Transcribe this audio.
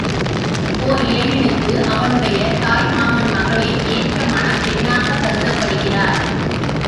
ஓர் இளைஞனுக்கு, அவனுடைய தாய் மாமன் மகளே ஏற்ற மணப் பெண்ணாகக் கருதப்படுகிறாள்.